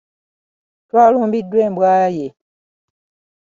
Twalumbiddwa embwa ye.